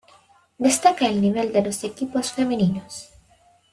Destaca el nivel de los equipos femeninos.